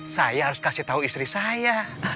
saya harus kasih tahu istri saya